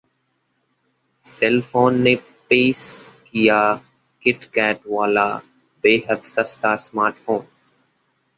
Celkon ने पेश किया किटकैट वाला बेहद सस्ता स्मार्टफोन